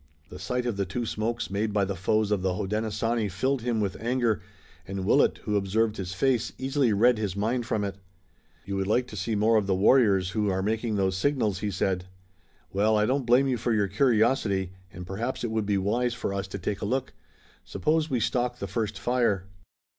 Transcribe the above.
The sight of the two smokes made by the foes of the Hodenosaunee filled him with anger, and Willet, who observed his face, easily read his mind from it. "You would like to see more of the warriors who are making those signals," he said. "Well, I don't blame you for your curiosity and perhaps it would be wise for us to take a look. Suppose we stalk the first fire."